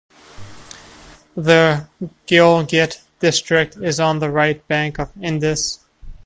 The Gilgit district is on the right bank of Indus.